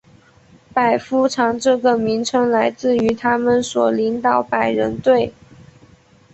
百夫长这个名称来自于他们所领导百人队。